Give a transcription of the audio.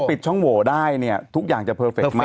ปิดช่องโหวได้เนี่ยทุกอย่างจะเพอร์เฟคมาก